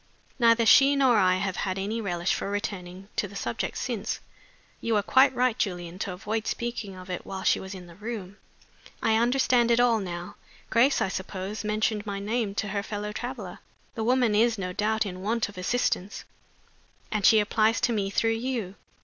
Neither she nor I have had any relish for returning to the subject since. You were quite right, Julian, to avoid speaking of it while she was in the room. I understand it all now. Grace, I suppose, mentioned my name to her fellow traveler. The woman is, no doubt, in want of assistance, and she applies to me through you.